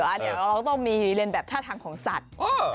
เดี๋ยวเราต้องมีเรียนแบบท่าทางของสัตว์